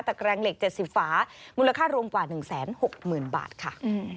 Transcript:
แกรงเหล็ก๗๐ฝามูลค่ารวมกว่า๑๖๐๐๐บาทค่ะ